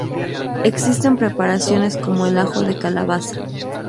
Existen preparaciones como el ajo de calabaza.